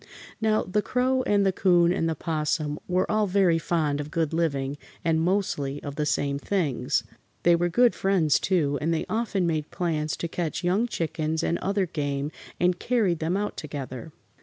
Now, the Crow and the 'Coon and the 'Possum were all very fond of good living and mostly of the same things. They were good friends, too, and they often made plans to catch young chickens and other game and carried them out together.